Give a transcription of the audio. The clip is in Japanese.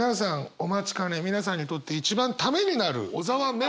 お待ちかね皆さんにとって一番ためになる小沢メモ。